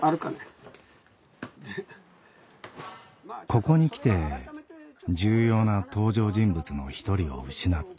ここに来て重要な登場人物の一人を失った。